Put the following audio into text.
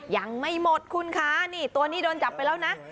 ยังไม่หมดคุณคะนี่ตัวนี้โดนจับไปแล้วนะ